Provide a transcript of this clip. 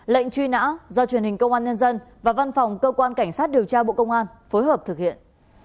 lệnh truy nã do truyền hình công an nhân dân và văn phòng cơ quan cảnh sát điều tra bộ công an phối hợp thực hiện